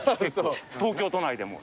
東京都内でも。